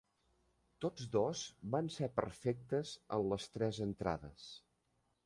Tots dos van ser perfectes en les tres entrades.